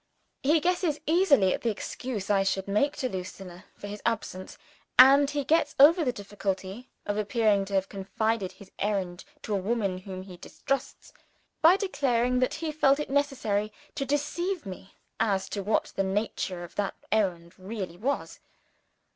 He guesses easily at the excuse I should make to Lucilla for his absence; and he gets over the difficulty of appearing to have confided his errand to a woman whom he distrusts, by declaring that he felt it necessary to deceive me as to what the nature of that errand really was.